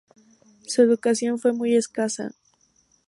Su educación fue muy escasa.